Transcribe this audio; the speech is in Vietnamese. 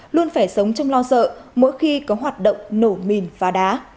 luôn phải sống trong lo sợ mỗi khi có hoạt động nổ mìn phá đá